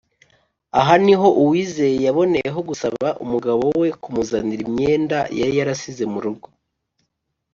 Aha ni ho Uwizeye yaboneyeho gusaba umugabo we kumuzanira imyenda yari yarasize mu rugo